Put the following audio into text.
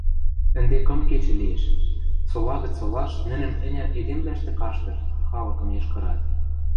Ӹнде кым кечӹ лиэш, сола гӹц солаш нӹнӹн ӹнян эдемвлӓштӹ каштыт, халыкым йышкырат...